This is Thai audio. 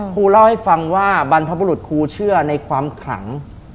ครูเล่าให้ฟังว่าบรรพบุรุษครูเชื่อในความขลัง